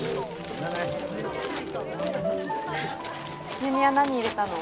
優美は何入れたの？